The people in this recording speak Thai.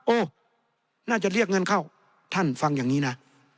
โอ้น่าจะเรียกเงินเข้าท่านฟังอย่างนี้นะ